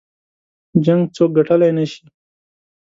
جـنګ څوك ګټلی نه شي